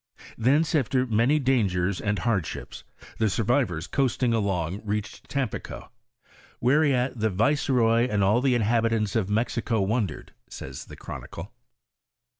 Thence, after Pi XVI HIBTORT OF THE DISCOVERT many dangers and hardships, the survivors coasting along reached Tampico, " whereat the viceroy and all the inhabi tants of Mexico wondered," says the chronicle.